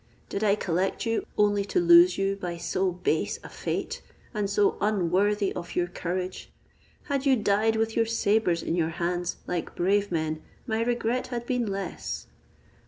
Did I collect you only to lose you by so base a fate, and so unworthy of your courage! Had you died with your sabres in your hands, like brave men, my regret had been less!